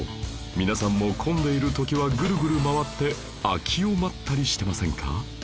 皆さんも混んでいる時はグルグル回って空きを待ったりしてませんか？